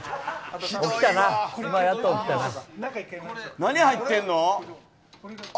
何入ってるの？